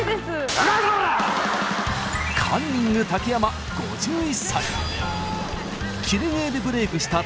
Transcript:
カンニング竹山５１歳。